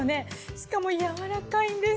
しかもやわらかいんです。